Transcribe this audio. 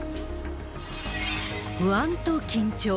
不安と緊張。